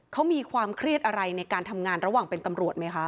เขามีความเครียดอะไรในการทำงานระหว่างเป็นตำรวจไหมคะ